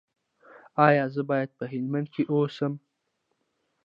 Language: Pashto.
ایا زه باید په هلمند کې اوسم؟